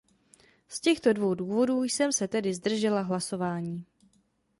Z těchto dvou důvodů jsem se tedy zdržela hlasování.